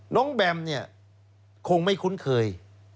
แบมเนี่ยคงไม่คุ้นเคย